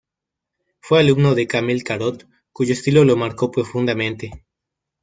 Fue alumno de Camille Corot, cuyo estilo lo marcó profundamente.